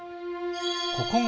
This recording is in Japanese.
ここが